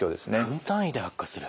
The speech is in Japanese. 分単位で悪化する。